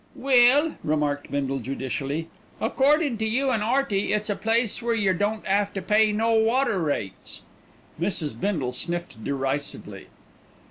"Well," remarked Bindle judicially, "accordin' to you an' 'Earty it's a place where yer don't 'ave to pay no water rates." Mrs. Bindle sniffed derisively.